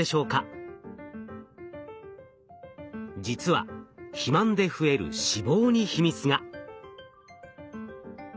実は肥満で増える脂肪に秘密が。